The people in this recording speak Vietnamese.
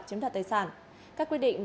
chiếm đặt tài sản các quy định